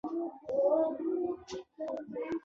یو دوه ټیکسي والا رانږدې شول.